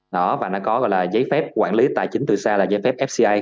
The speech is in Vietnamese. đó và nó có gọi là giấy phép quản lý tài chính từ xa là giấy phép fci